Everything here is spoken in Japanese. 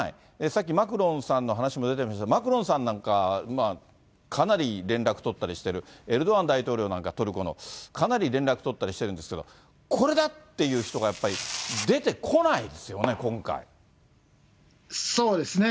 さっきマクロンさんの話も出てましたけど、マクロンさんなんか、かなり連絡取ったりしてる、エルドアン大統領なんか、トルコの、かなり連絡取ったりしてるんですけど、これだっていう人が、やっぱり出てこないですよね、そうですね。